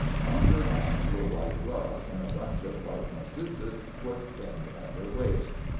On her hands were white gloves, and a bunch of white narcissus was pinned at her waist.